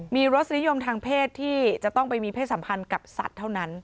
มีรสนิยมทางเพศที่จะต้องไปมีเพศสัมพันธ์กับสัตว์เท่านั้น